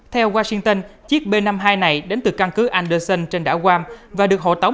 theo washington chiếc b năm mươi hai này đến từ căn cứ anhderson trên đảo wam và được hộ tống